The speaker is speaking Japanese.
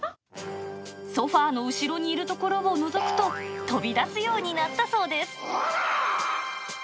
ソファーの後ろにいるところを除くと、飛び出すようになったそうです。